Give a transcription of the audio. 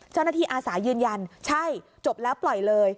เจ้าหน้าที่อาสายืนยันใช่จบแล้วปล่อยเลย